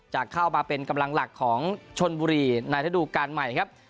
จะเข้ามาเป็นกำลังหลักของชนบุรีในระดูการใหม่ครับ